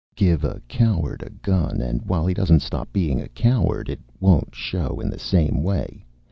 Give a coward a gun, and, while he doesn't stop being a coward, it won't show in the same way.